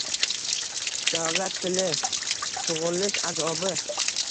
Davlat tili: tug‘ilish azobi